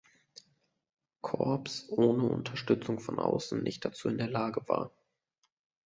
Korps ohne Unterstützung von außen nicht dazu in der Lage war.